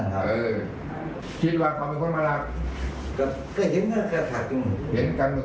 แต่คิดว่าเป็นคนมารักเมื่อคืนนี้